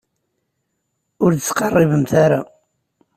Ur d-ttqerribemt ara.